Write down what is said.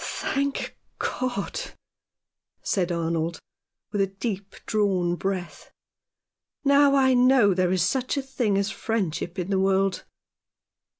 "Thank God," said Arnold, with a deep drawn breath. " Now I know there is such a thing as friendship in the world."